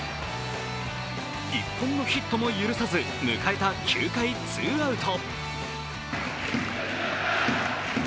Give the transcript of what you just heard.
１本のヒットも許さず迎えた９回ツーアウト。